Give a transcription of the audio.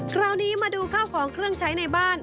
คราวนี้มาดูข้าวของเครื่องใช้ในบ้าน